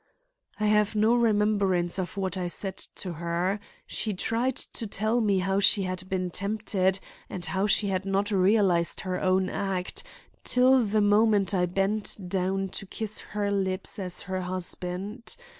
_' "I have no remembrance of what I said to her. She tried to tell me how she had been tempted and how she had not realized her own act, till the moment I bent down to kiss her lips as her husband.